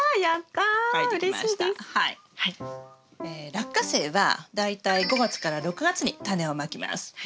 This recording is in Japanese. ラッカセイは大体５月から６月にタネをまきます。